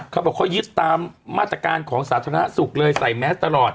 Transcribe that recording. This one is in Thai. เขาบอกเขายึดตามมาตรการของสาธารณสุขเลยใส่แมสตลอด